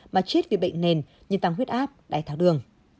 mà chết vì bệnh nền như tăng huyết áp đáy tháo đường